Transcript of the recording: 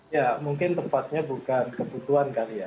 ya mungkin tempatnya bukan kebutuhan kali ya